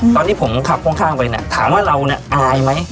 ตอนที่ผมขับโครงทางไปถามว่าเราอายไหม